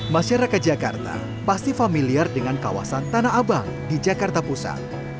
masyarakat jakarta pasti familiar dengan kawasan tanah abang di jakarta pusat